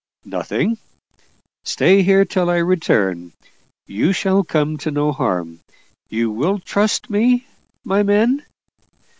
"Nothing. Stay here till I return you shall come to no harm. You will trust me, my men?"